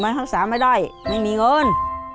มันทรงสารไม่ได้ไม่มีเงิน